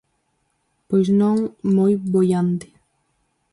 Pois non moi boiante.